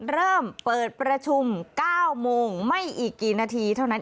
เริ่มเปิดประชุม๙โมงไม่อีกกี่นาทีเท่านั้นเอง